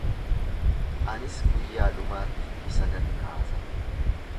Anis guyyaa dhumaatti isa nan kaasa.